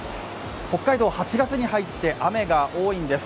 北海道、８月に入って雨が多いんです。